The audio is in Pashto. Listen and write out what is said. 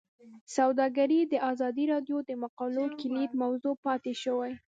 سوداګري د ازادي راډیو د مقالو کلیدي موضوع پاتې شوی.